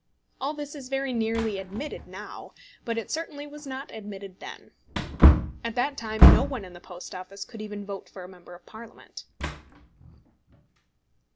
All this is very nearly admitted now, but it certainly was not admitted then. At that time no one in the Post Office could even vote for a Member of Parliament.